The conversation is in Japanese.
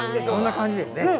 そんな感じですね。